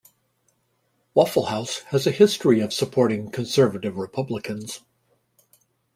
Waffle House has a history of supporting conservative Republicans.